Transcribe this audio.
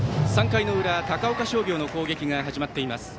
３回の裏高岡商業の攻撃が始まっています。